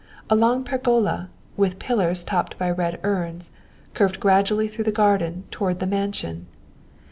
A long pergola, with pillars topped by red urns, curved gradually through the garden toward the mansion.